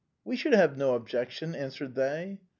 We should have no objection," answered they.